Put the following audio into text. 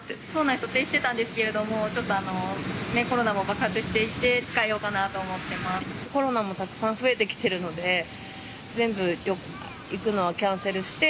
予定してたんですけれども、ちょっとコロナも爆発していて、控えようかなと思コロナもたくさん増えてきているので、全部行くのをキャンセルして。